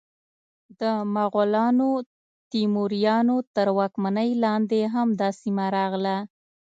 د مغولانو، تیموریانو تر واکمنۍ لاندې هم دا سیمه راغله.